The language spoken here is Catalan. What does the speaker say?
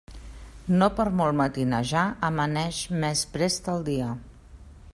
No per molt matinejar, amaneix més prest el dia.